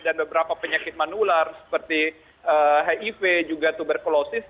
dan beberapa penyakit manular seperti hiv juga tuberculosis